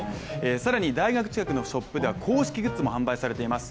更に大学近くのショップでは公式グッズも販売されています。